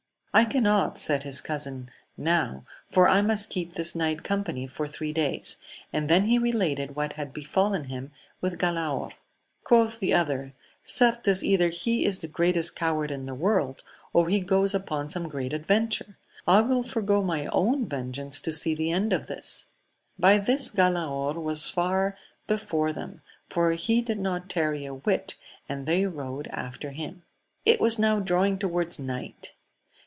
I cannot, said his cousin, now, for I must keep this knight company for three days ; and then he related what had befallen him with Galaor. Quoth the other, Certes either he is the greatest coward in the world, or he goes upon some great adventure : I will forego my own vengeance to see the end of this.* By this Galaor was far before them, for he did not tarry a whit, and they rode after him. It was now drawing towards night.